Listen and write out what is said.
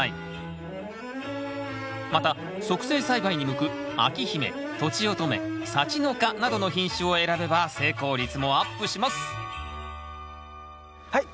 また促成栽培に向く章姫とちおとめさちのかなどの品種を選べば成功率もアップしますはい！